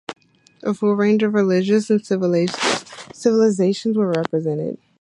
A full range of religions and civilizations were represented.